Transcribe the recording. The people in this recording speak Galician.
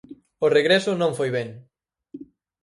O regreso non foi ben.